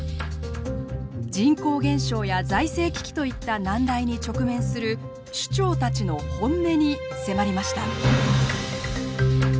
人口減少や財政危機といった難題に直面する首長たちの本音に迫りました。